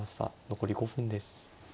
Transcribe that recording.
残り５分です。